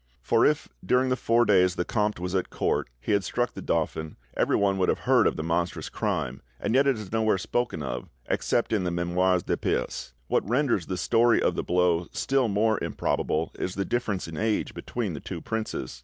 For if, during the four days the comte was at court, he had struck the dauphin, everyone would have heard of the monstrous crime, and yet it is nowhere spoken of, except in the 'Memoires de Perse'. What renders the story of the blow still more improbable is the difference in age between the two princes.